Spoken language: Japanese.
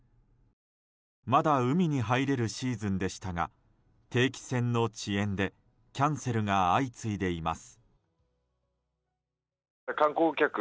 まだ海に入れるシーズンでしたが定期船の遅延でキャンセルが相次いでいます。